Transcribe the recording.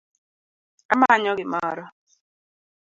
Amanyo gimiro